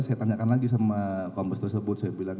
saya tanyakan lagi sama kompes tersebut saya bilang